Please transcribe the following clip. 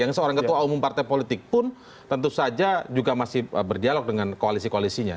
yang seorang ketua umum partai politik pun tentu saja juga masih berdialog dengan koalisi koalisinya